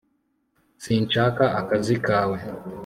sinshaka akazi kawe